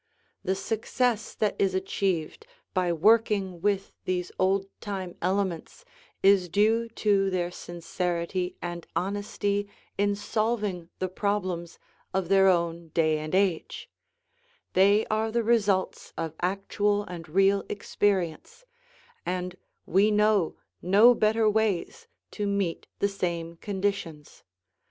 The success that is achieved by working with these old time elements is due to their sincerity and honesty in solving the problems of their own day and age; they are the results of actual and real experience, and we know no better ways to meet the same conditions.